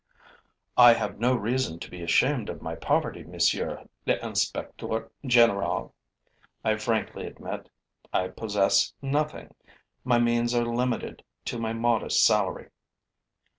'I have no reason to be ashamed of my poverty, monsieur l'inspecteur general. I frankly admit, I possess nothing; my means are limited to my modest salary.'